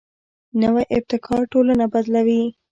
نوی ابتکار ټولنه بدلوي